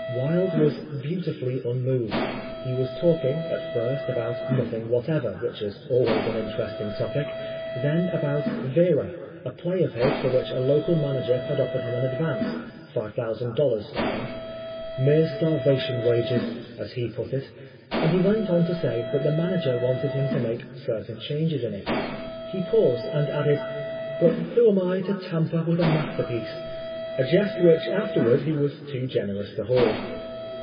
Wilde was beautifully unmoved. He was talking, at first about nothing whatever, which is always an interesting topic, then about "Vera," a play of his for which a local manager had offered him an advance, five thousand dollars I think, "mere starvation wages," as he put it, and he went on to say that the manager wanted him to make certain changes in it. He paused and added: "But who am I to tamper with a masterpiece?" a jest which afterward he was too generous to hoard.